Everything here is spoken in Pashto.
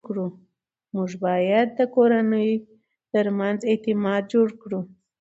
موږ باید د کورنۍ ترمنځ اعتماد جوړ کړو